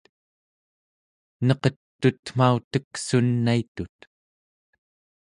neqet tutmauteksunaitut